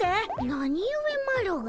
なにゆえマロが。